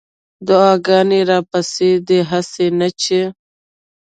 دعاګانې راپسې دي هسې نه چې